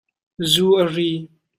Zuu a ri.